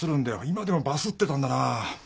今でもバスってたんだな。